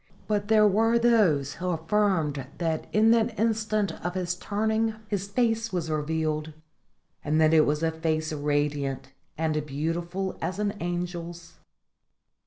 But there were those who affirmed that in that instant of his turning, his face was revealed, and that it was a face radiant and beautiful as an angel's.